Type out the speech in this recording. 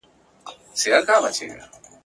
نن مي هغه زیارت په کاڼو ولم !.